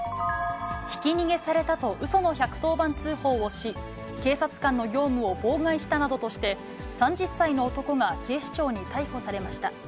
ひき逃げされたと、うその１１０番通報をし、警察官の業務を妨害したなどとして、３０歳の男が警視庁に逮捕されました。